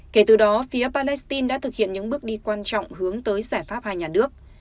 kể từ đó phía palestine đã thực hiện những bước đi quan trọng hướng tới giải pháp hai nhà nước